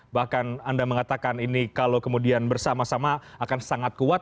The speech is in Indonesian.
bahkan anda mengatakan ini kalau kemudian bersama sama akan sangat kuat